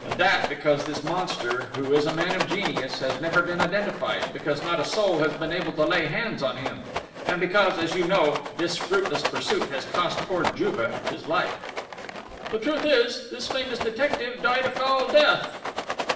And that because this monster, who is a man of genius, has never been identified; because not a soul has been able to lay hands on him ...; and because, as you know, this fruitless pursuit has cost poor Juve his life...." "The truth is, this famous detective died a foul death!"